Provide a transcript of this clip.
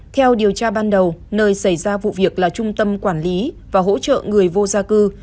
theo điều tra ban đầu nơi xảy ra vụ việc là trung tâm quản lý và hỗ trợ người vô gia cư